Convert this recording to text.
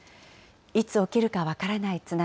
いつ起きるか分からない津波。